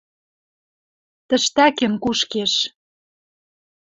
Тӹштӓкен кушкеш.